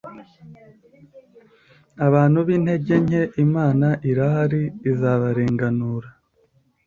abantu b’intege nke imana irahari izabarenganura